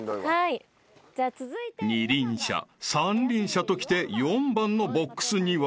［二輪車三輪車ときて４番のボックスには］